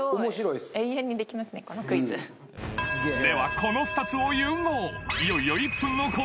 この２つを融合